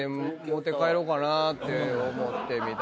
持って帰ろうかなって思って。